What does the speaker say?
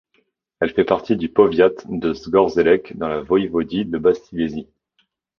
Elle fait partie du powiat de Zgorzelec dans la voïvodie de Basse-Silésie.